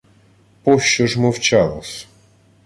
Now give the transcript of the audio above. — Пощо ж мовчала-с?